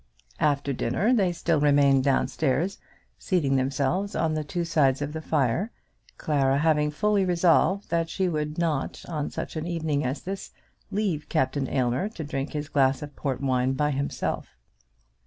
After dinner they still remained down stairs, seating themselves on the two sides of the fire, Clara having fully resolved that she would not on such an evening as this leave Captain Aylmer to drink his glass of port wine by himself.